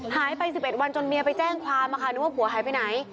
หายไป๑๑วันจนเมียไปแจ้งความนึกว่าผัวหายไปไหน